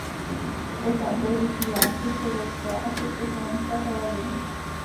Pořad byl vysílán i v sovětské a československé televizi.